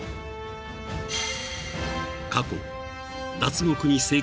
［過去］